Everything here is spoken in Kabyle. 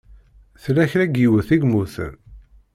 Tella kra n yiwet i yemmuten?